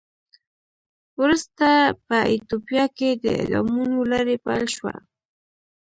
ورسته په ایتوپیا کې د اعدامونو لړۍ پیل شوه.